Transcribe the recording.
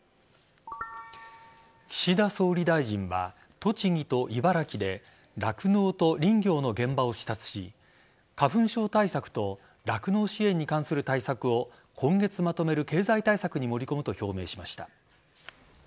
岸田総理大臣は栃木と茨城で酪農と林業の現場を視察し花粉症対策と酪農支援に関する対策を今月まとめる経済対策に盛り込むと表明しました。